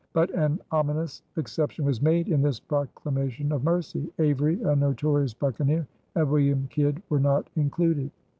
But an ominous exception was made in this proclamation of mercy: Avery, a notorious buccaneer, and William Kidd were not included.